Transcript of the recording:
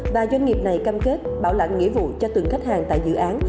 và doanh nghiệp này cam kết bảo lãnh nghĩa vụ cho từng khách hàng tại dự án